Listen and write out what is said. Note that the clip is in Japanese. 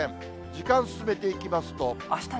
時間進めていきますと。